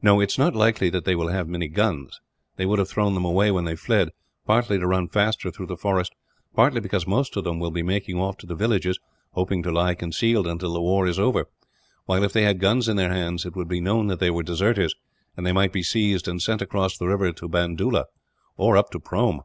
No, it is not likely that they will have many guns; they would throw them away when they fled, partly to run faster through the forest, partly because most of them will be making off to the villages, hoping to lie concealed until the war is over; while if they had guns in their hands, it would be known that they were deserters, and they might be seized and sent across the river to Bandoola, or up to Prome."